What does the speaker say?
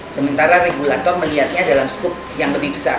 sementara regulator melihatnya dalam skup yang lebih besar